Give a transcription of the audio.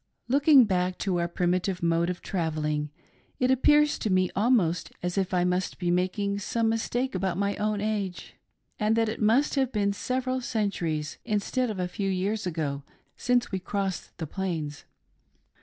Looking back to our primitive mode of travelling, it appears to me almost as if I must be making some mistake about my own age, and that it must have been several centuries, instead of a few years ago, since we crossed the plains.